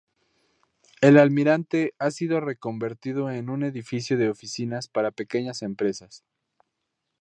El Almirante ha sido reconvertido en un edificio de oficinas para pequeñas empresas.